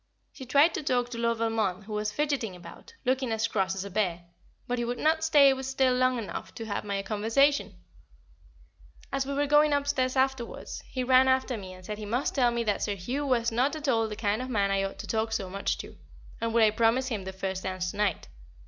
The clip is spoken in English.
She tried to talk to Lord Valmond, who was fidgeting about, looking as cross as a bear; but he would not stay still long enough to have any conversation. [Sidenote: The Quarrel] As we were going upstairs afterwards, he ran after me and said he must tell me that Sir Hugh was not at all the kind of man I ought to talk so much to, and would I promise him the first dance to night?